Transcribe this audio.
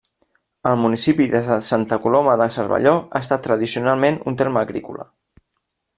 El municipi de Santa Coloma de Cervelló ha estat tradicionalment un terme agrícola.